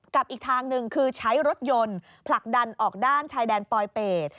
กับอีกทางหนึ่งคือใช้รถยนต์ผลักดันออกด้านชายแดนปลอยเป็ด